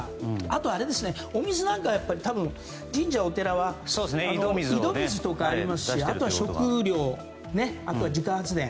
あとはお水も多分、神社やお寺は井戸水とかありますしあとは食料、自家発電。